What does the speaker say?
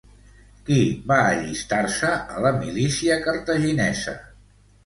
Qui va allistar-se a la milícia cartaginesa?